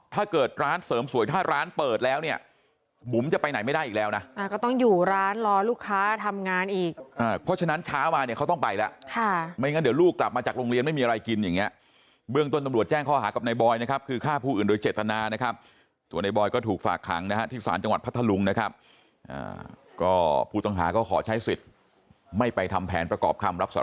ถ้าเกิดร้านเสริมสวยถ้าร้านเปิดแล้วเนี้ยหมุมจะไปไหนไม่ได้อีกแล้วน่ะอ่าก็ต้องอยู่ร้านรอลูกค้าทำงานอีกอ่าเพราะฉะนั้นช้ามาเนี้ยเขาต้องไปแล้วค่ะไม่งั้นเดี๋ยวลูกกลับมาจากโรงเรียนไม่มีอะไรกินอย่างเงี้ยเบื้องต้นตำรวจแจ้งข้ออาหารกับนายบอยนะครับคือฆ่าผู้อื่นโดยเจตนานะครับตัวนายบ